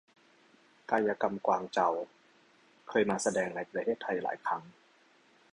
กายกรรมกวางเจา เคยมาแสดงในประเทศไทยหลายครั้ง